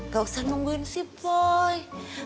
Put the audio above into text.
gak usah nungguin si poi